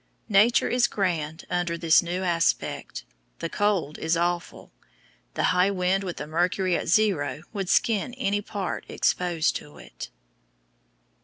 Nature is grand under this new aspect. The cold is awful; the high wind with the mercury at zero would skin any part exposed to it.